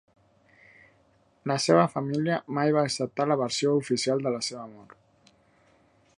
La seva família mai va acceptar la versió oficial de la seva mort.